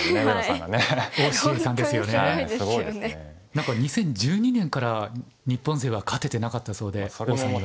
何か２０１２年から日本勢は勝ててなかったそうで於さんに。